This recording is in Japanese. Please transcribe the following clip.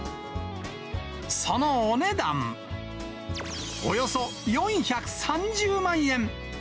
そのお値段、およそ４３０万円。